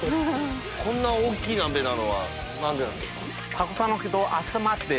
こんな大きい鍋なのは何でなんですか？